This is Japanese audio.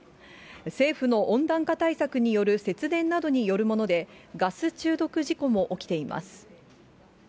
政府の温暖化対策による節電などによるもので、ガス中毒事故も起きています。